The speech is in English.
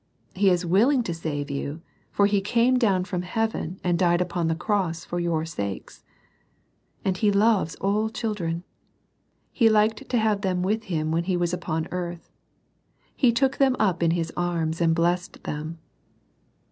He is willing to save you, for He came down from heaven and died upon the cross for your sakes And He loves all children. He liked to have them with Him when He was upon earth. He took them up in His arms and blessed them.